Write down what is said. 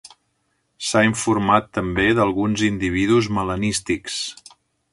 S'ha informat també d'alguns individus melanístics.